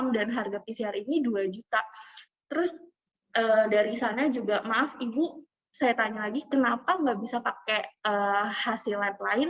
dari sana juga maaf ibu saya tanya lagi kenapa nggak bisa pakai hasil lain lain